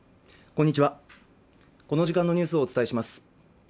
こんにちはこの時間のニュースをお伝えします